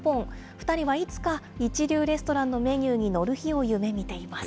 ２人はいつか、一流レストランのメニューに載る日を夢みています。